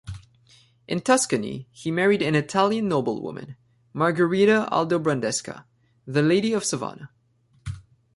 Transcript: In Tuscany, he married an Italian noblewoman, Margherita Aldobrandesca, the Lady of Sovana.